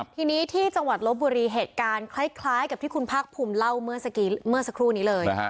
ทีนี้ที่จังหวัดลบบุรีเหตุการณ์คล้ายกับที่คุณภาคภูมิเล่าเมื่อสักครู่นี้เลย